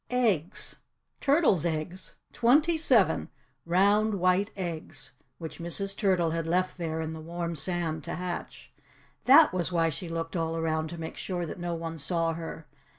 Eggs! Turtles' eggs! Twenty seven round, white eggs, which Mrs. Turtle had left there in the warm sand to hatch. THAT was why she looked all around to make sure that no one saw her.